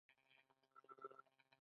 نه مو سترګې په لیدو سره مړې کړې.